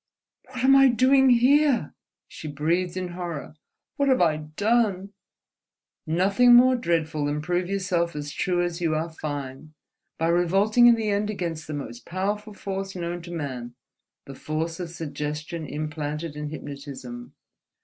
"What am I doing here?" she breathed in horror. "What have I done?" "Nothing more dreadful than prove yourself as true as you are fine, by revolting in the end against the most powerful force known to man, the force of suggestion implanted in hypnotism.